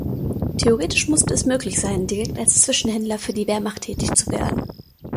Theoretisch musste es möglich sein, direkt als Zwischenhändler für die Wehrmacht tätig zu werden.